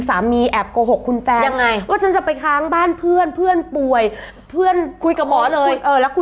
อ่ามีงานต่างจังหวัดเลย